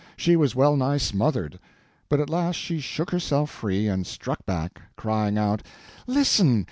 She was well nigh smothered; but at last she shook herself free and struck back, crying out: "Listen!